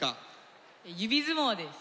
指相撲です。